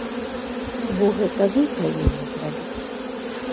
Бо гэта вы павінны зрабіць.